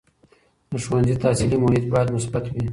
د ښوونځي تحصیلي محیط باید مثبت وي.